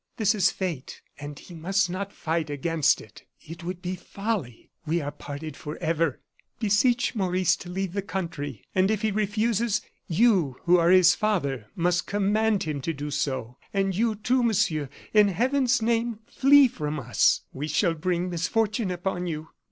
This is fate; and he must not fight against it. It would be folly. We are parted forever. Beseech Maurice to leave the country, and if he refuses, you, who are his father, must command him to do so. And you, too, Monsieur, in Heaven's name, flee from us. We shall bring misfortune upon you.